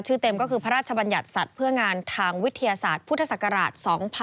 เต็มก็คือพระราชบัญญัติสัตว์เพื่องานทางวิทยาศาสตร์พุทธศักราช๒๕๖๒